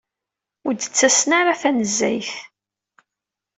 Ur d-ttasen ara tanezzayt.